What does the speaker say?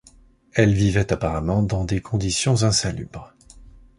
Elles vivaient apparemment dans des conditions insalubres.